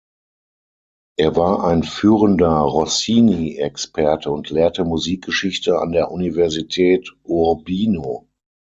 Er war ein führender Rossini-Experte und lehrte Musikgeschichte an der Universität Urbino.